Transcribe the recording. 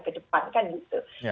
ke depan kan gitu